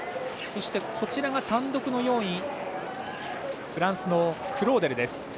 そして単独の４位フランスのクローデル。